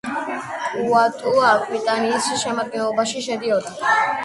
პუატუ აკვიტანიის შემადგენლობაში შედიოდა.